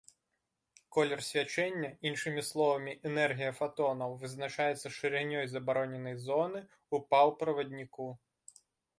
Колер свячэння, іншымі словамі, энергія фатонаў, вызначаецца шырынёй забароненай зоны ў паўправадніку.